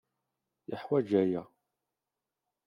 Yeḥwaj aya.